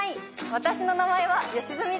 私の名前は吉住です！